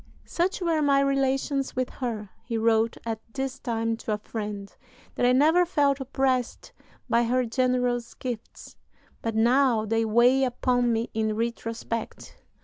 "Such were my relations with her," he wrote at this time to a friend, "that I never felt oppressed by her generous gifts; but now they weigh upon me in retrospect.